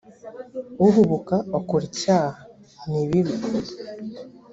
uhubuka akora icyaha nibibi